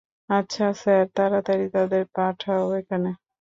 আচ্ছা স্যার তাড়াতাড়ি তাদের পাঠাও এখানে।